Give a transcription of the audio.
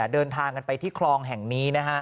เดินทางกันไปที่คลองแห่งนี้